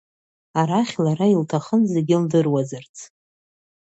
Арахь лара илҭахын зегьы лдыруазарц…